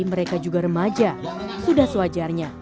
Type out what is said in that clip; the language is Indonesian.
mereka juga remaja sudah sewajarnya